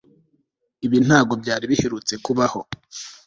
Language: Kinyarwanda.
ibi nta bwo byari biherutse kubaho